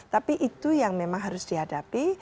tapi itu yang memang harus dihadapi